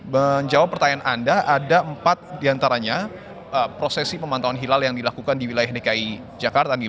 menjawab pertanyaan anda ada empat diantaranya prosesi pemantauan hilal yang dilakukan di wilayah dki jakarta